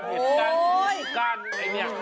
ก้านเห็นก้านก้านไอเนี่ย